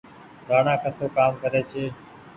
رآڻآ ڪسو ڪآم ڪري ڇي ۔